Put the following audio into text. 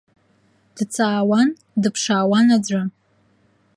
Дҵаауан, дыԥшаауан аӡәы.